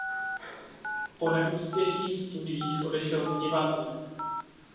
Po neúspěšných studiích odešel k divadlu.